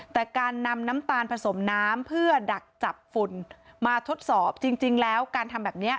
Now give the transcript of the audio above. แต่การนำน้ำตาลผสมน้ำเพื่อดักจับฝุ่นมาทดสอบจริงแล้วการทำแบบนี้